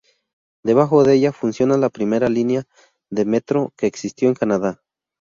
Debajo de ella, funciona la primera línea de metro que existió en Canadá.